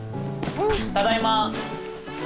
・ただいま！